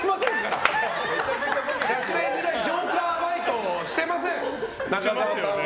学生時代にジョーカーのバイトしてませんから。